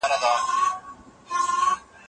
افغان نجوني د خپلو اساسي حقونو دفاع نه سي کولای.